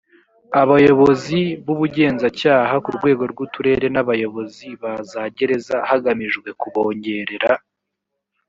abayobozi b ubugenzacyaha ku rwego rw uturere n abayobozi ba za gereza hagamijwe kubongerera